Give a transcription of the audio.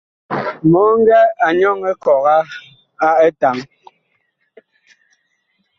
Mɔŋgɛ a nyɔŋ ekɔga a etaŋ.